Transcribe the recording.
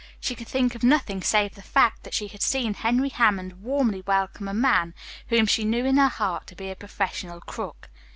She could think of nothing save the fact that she had seen Henry Hammond warmly welcome a man whom she knew in her heart to be a professional crook.